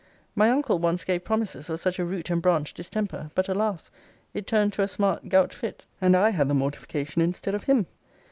My uncle once gave promises of such a root and branch distemper: but, alas! it turned to a smart gout fit; and I had the mortification instead of him.